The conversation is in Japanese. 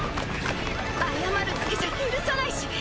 謝るだけじゃ許さないし。